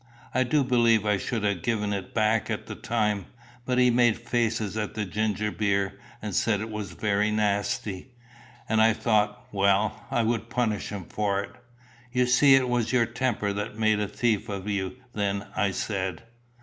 I do believe I should ha' given it back at the time; but he made faces at the ginger beer, and said it was very nasty; and I thought, well, I would punish him for it." "You see it was your temper that made a thief of you, then," I said.